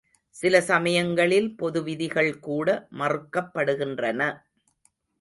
சில சமயங்களில் பொதுவிதிகள் கூட மறுக்கப்படுகின்றன.